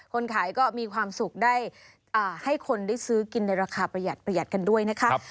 คนขายก็มีความสุขได้ให้คนได้ซื้อกินในราคาประหยัดประหยัดกันด้วยนะคะ